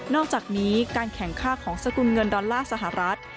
อกจากนี้การแข่งค่าของสกุลเงินดอลลาร์สหรัฐ